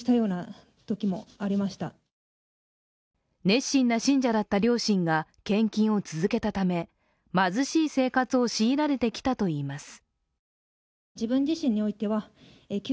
熱心な信者だった両親が献金を続けたため貧しい生活を強いられてきたといいます。